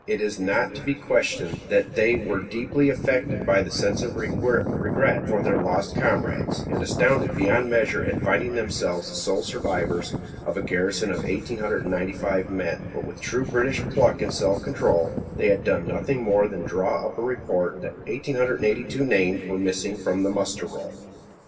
It is not to be questioned that they were deeply affected by a sense of regret for their lost comrades, and astounded beyond measure at finding themselves the sole survivors of a garrison of 1,895 men, but with true British pluck and self control, they had done nothing more than draw up a report that 1,882 names were missing from the muster roll.